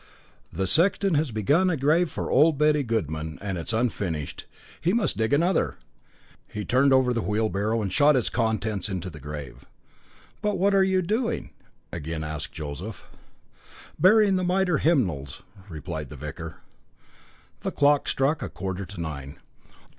"The sexton has begun a grave for old Betty Goodman, and it is unfinished. He must dig another." He turned over the wheelbarrow and shot its contents into the grave. "But what are you doing?" again asked Joseph. "Burying the Mitre hymnals," replied the vicar. The clock struck a quarter to nine.